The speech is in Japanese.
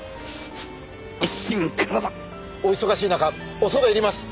お忙しい中恐れ入ります！